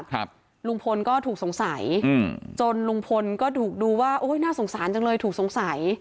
ครับลุงพลก็ถูกสงสัยอืมจนลุงพลก็ถูกดูว่าโอ้ยน่าสงสารจังเลยถูกสงสัย